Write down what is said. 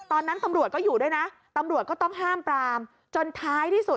ตอนนั้นตำรวจก็อยู่ด้วยนะตำรวจก็ต้องห้ามปรามจนท้ายที่สุด